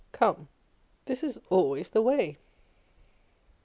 Come, this is always the way.